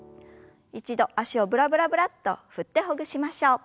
一度脚をブラブラブラッと振ってほぐしましょう。